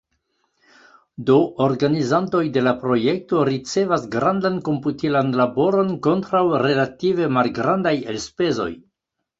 Do organizantoj de la projekto ricevas grandan komputilan laboron kontraŭ relative malgrandaj elspezoj.